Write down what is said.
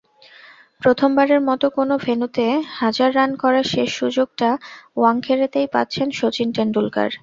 প্রথমবারের মতো কোনো ভেন্যুতে হাজার রান করার শেষ সুযোগটা ওয়াংখেড়েতেই পাচ্ছেন শচীন টেন্ডুলকার।